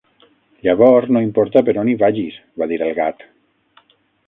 "Llavors no importa per on hi vagis" va dir el Gat.